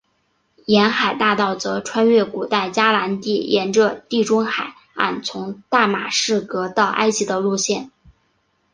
沿海大道则穿越古代迦南地沿着地中海岸从大马士革到埃及的路线。